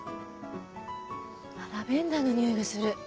ラベンダーの匂いがする。